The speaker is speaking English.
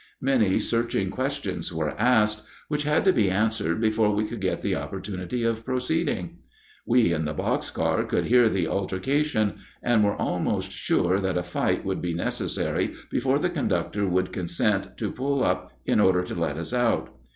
Many searching questions were asked, which had to be answered before we could get the opportunity of proceeding. We in the box car could hear the altercation, and were almost sure that a fight would be necessary before the conductor would consent to "pull up" in order to let us out.